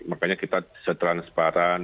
makanya kita setransparan